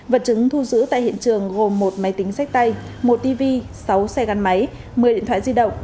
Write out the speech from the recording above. vật chứng thu giữ tại hiện trường gồm một máy tính sách tay một tv sáu xe gắn máy một mươi điện thoại di động